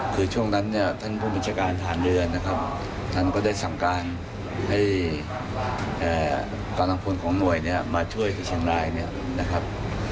คือช่วงนั้นเนี่ยท่านผู้บัญชาการฐานเรือนะครับท่านก็ได้สั่งการให้กำลังพลของหน่วยเนี่ยมาช่วยที่เชียงรายเนี่ยนะครับ